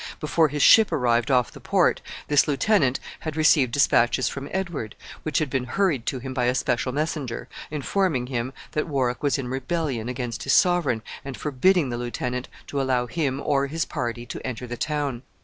Before his ship arrived off the port this lieutenant had received dispatches from Edward, which had been hurried to him by a special messenger, informing him that Warwick was in rebellion against his sovereign, and forbidding the lieutenant to allow him or his party to enter the town.